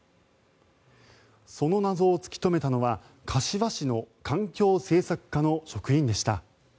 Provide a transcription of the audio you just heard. その謎を突き止めたのは柏市の環境政策課の職員でした。